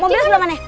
mobil sebelah mana